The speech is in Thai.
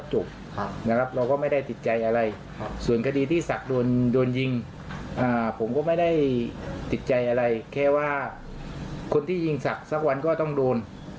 จุดที่ยิงคนที่ยิงสักสักวันก็ต้องโดน